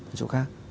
ở chỗ khác